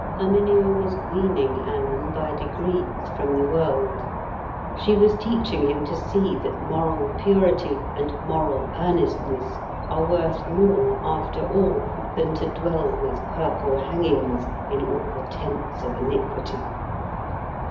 Herminia was weaning Alan by degrees from the world; she was teaching him to see that moral purity and moral earnestness are worth more, after all, than to dwell with purple hangings in all the tents of iniquity.